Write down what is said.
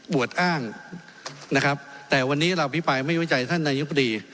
วดอ้างนะครับแต่วันนี้เราอภิปรายไม่ไว้ใจท่านนายกบรี